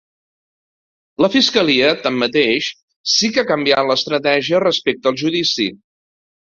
La fiscalia, tanmateix, sí que ha canviat l’estratègia respecta el judici.